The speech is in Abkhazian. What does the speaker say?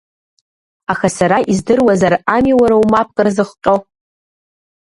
Аха сара издыруазар ами уара умапкра зыхҟьо.